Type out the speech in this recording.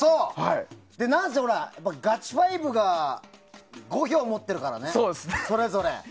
なんせ、ガチ５が５票を持ってるからね、それぞれ。